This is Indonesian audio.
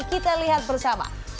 kita lihat bersama